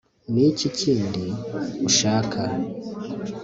ni iki kindi ushaka